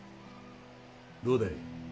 どうだい。